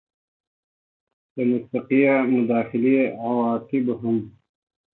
د مستقیې مداخلې عواقب هم